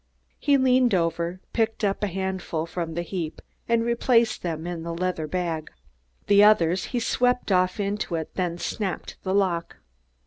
He leaned over, picked up a handful from the heap and replaced them in the leather bag. The others he swept off into it, then snapped the lock.